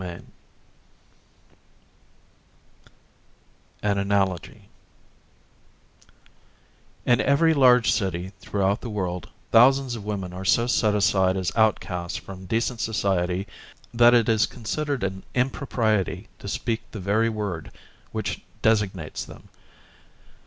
CHAPTER I AN ANALOGY In every large city throughout the world thousands of women are so set aside as outcasts from decent society that it is considered an impropriety to speak the very word which designates them.